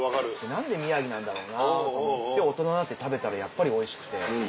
何で宮城なんだろうなと思って大人になって食べたらやっぱりおいしくて。